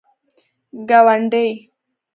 گاونډی